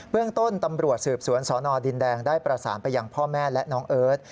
เรื่องต้นตำรวจสืบสวนสนดินแดงได้ประสานไปยังพ่อแม่และน้องเอิร์ท